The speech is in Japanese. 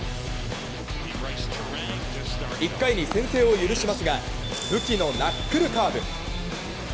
１回に先制を許しますが武器のナックルカーブ。